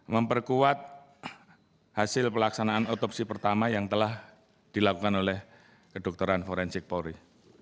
memperkuat hasil pelaksanaan otopsi pertama yang telah dilakukan oleh kedokteran forensik polri